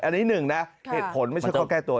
อันนี้หนึ่งนะเหตุผลไม่ใช่ข้อแก้ตัว